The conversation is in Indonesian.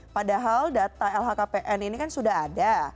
padahal data lhkpn ini kan sudah ada